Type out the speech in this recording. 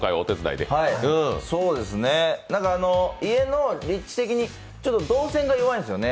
家の立地的に動線が弱いんですね。